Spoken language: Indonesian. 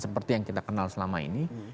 seperti yang kita kenal selama ini